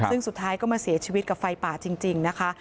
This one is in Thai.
ซึ่งสุดท้ายก็มาเสียชีวิตกับไฟป่าจริงนะคะ